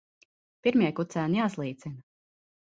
Pirmie kucēni jāslīcina.